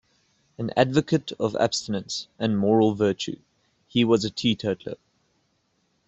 An advocate of abstinence and moral virtue, he was a teetotaler.